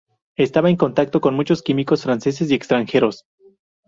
Estaba en contacto con muchos químicos franceses y extranjeros.